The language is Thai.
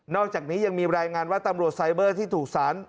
อกจากนี้ยังมีรายงานว่าตำรวจไซเบอร์ที่ถูกสาร